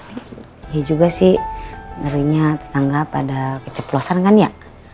iya juga sih ngerinya tetangga pada keceplosan kan ya